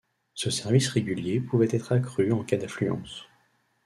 Ce service régulier pouvait être accru en cas d'affluence.